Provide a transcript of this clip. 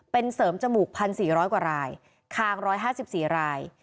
เป็นเสริมจมูก๑๔๐๐กว่ารายคาง๑๕๔ราย